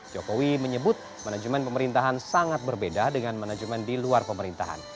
jokowi menyebut manajemen pemerintahan sangat berbeda dengan manajemen di luar pemerintahan